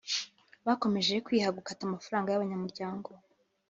Bakomeje kwiha gukata amafaranga y’abanyamuryango